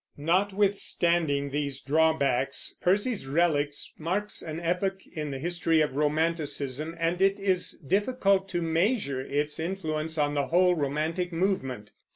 Notwithstanding these drawbacks, Percy's Reliques marks an epoch in the history of Romanticism, and it is difficult to measure its influence on the whole romantic movement.